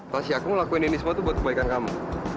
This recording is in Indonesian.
tasya aku ngelakuin ini semua tuh buat kebaikan kamu